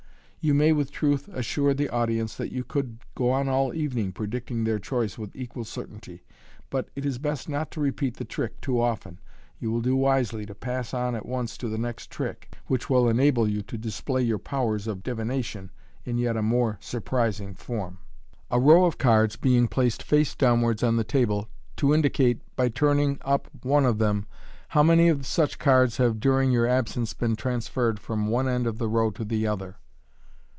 You may with truth assure the audience that you could go on all the evening predicting their choice with equal certainty, but it is best not to repeat the trick too often. You will do wisely to pass on at once to the next trick, which will enable you to display your powers of divination in a yet more surprising form. A Row op Cards being placed Face Downwards oh thi Table, to indicatb, by turning up one of them, how many of such Cards have during your absence been transferred from one end of the Row to the other.